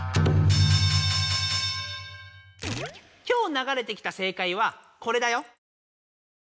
今日ながれてきた正解はこれだよ。